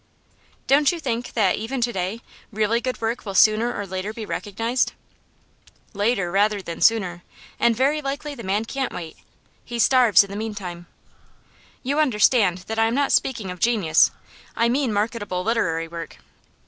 'Don't you think that, even to day, really good work will sooner or later be recognised?' 'Later, rather than sooner; and very likely the man can't wait; he starves in the meantime. You understand that I am not speaking of genius; I mean marketable literary work.